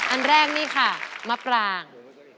อันแรกนี่ค่ะมะปราง